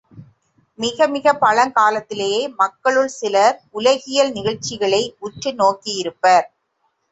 மிக மிகப் பழங்காலத்தி லேயே மக்களுள் சிலர் உலகியல் நிகழ்ச்சிகளை உற்று நோக்கியிருப்பர்.